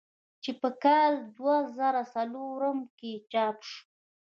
چې پۀ کال دوه زره څلورم کښې چاپ شو ۔